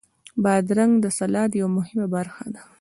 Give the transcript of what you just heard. بادرنګ د سلاد یوه مهمه برخه ده.